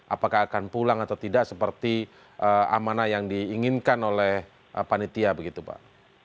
apakah akan pulang atau tidak seperti amanah yang diinginkan oleh panitia begitu pak